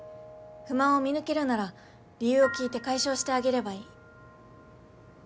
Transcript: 不満を見抜けるなら理由を聞いて解消してあげればいい。